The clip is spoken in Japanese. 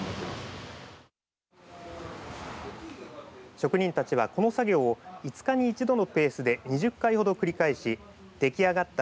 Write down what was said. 職人たちはこの作業を５日に一度のペースで２０回ほど繰り返し出来上がった